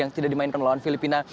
yang tidak dimainkan melawan filipina